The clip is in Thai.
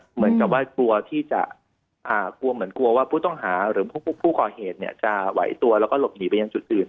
เหมือนกับว่ากลัวที่จะกลัวเหมือนกลัวว่าผู้ต้องหาหรือผู้ก่อเหตุจะไหวตัวแล้วก็หลบหนีไปยังจุดอื่น